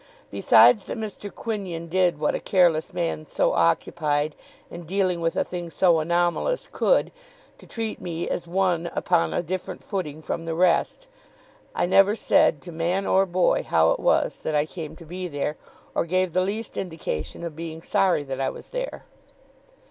Besides that Mr. Quinion did what a careless man so occupied, and dealing with a thing so anomalous, could, to treat me as one upon a different footing from the rest, I never said, to man or boy, how it was that I came to be there, or gave the least indication of being sorry that I was there.